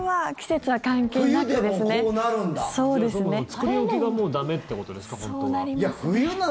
作り置きがもう駄目ってことですか本当は。